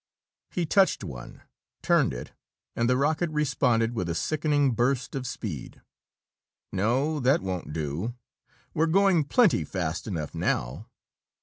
He touched one, turned it, and the rocket responded with a sickening burst of speed. "No, that won't do! We're going plenty fast enough now!"